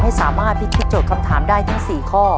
ให้สามารถพิกฤตจดคำถามได้ทั้ง๔ข้อ